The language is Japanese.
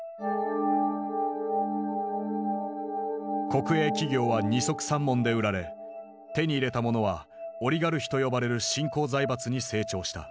国営企業は二束三文で売られ手に入れた者はオリガルヒと呼ばれる新興財閥に成長した。